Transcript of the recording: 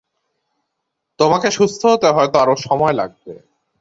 তোমাকে সুস্থ হতে হয়তো আরো সময় লাগবে।